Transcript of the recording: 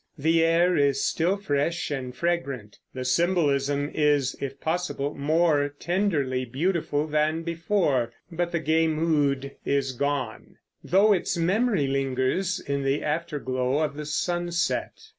The air is still fresh and fragrant; the symbolism is, if possible, more tenderly beautiful than before; but the gay mood is gone, though its memory lingers in the afterglow of the sunset.